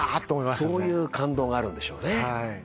そういう感動があるんでしょうね。